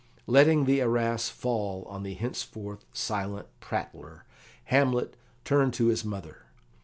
Letting the arras fall on the henceforth silent prattler, Hamlet turned to his mother.